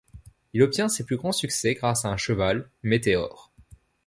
Il obtient ses plus grands succès grâce à un cheval, Meteor.